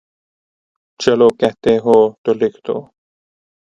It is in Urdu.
چلو کہتے ہوتو لکھ دو۔۔۔